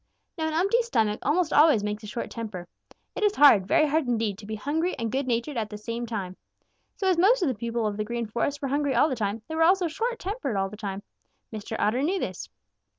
"Now an empty stomach almost always makes a short temper. It is hard, very hard indeed to be hungry and good natured at the same time. So as most of the people of the Green Forest were hungry all the time, they were also short tempered all the time. Mr. Otter knew this.